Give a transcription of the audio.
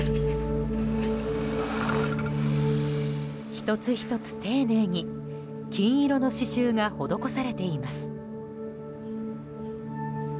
１つ１つ丁寧に金色の刺しゅうが施されています。